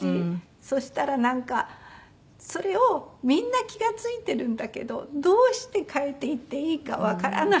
そしたらなんかそれをみんな気が付いてるんだけどどうして変えていっていいかわからない。